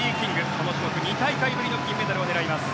この種目２大会ぶりの金メダルを狙います。